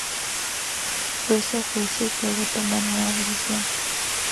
El juez o jueces luego toman una decisión.